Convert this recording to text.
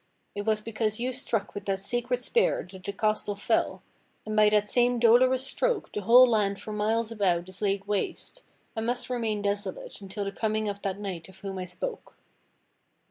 It was because you struck with that sacred spear that the castle fell; and by that same Dolorous Stroke the whole land for miles about is laid waste, and must remain desolate until the coming of that knight of whom I spoke."